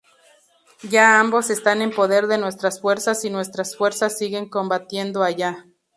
Ya ambos están en poder de nuestras Fuerzas y nuestras Fuerzas siguen combatiendo allá.